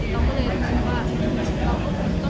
ใช้ได้ถึงเสือทุกที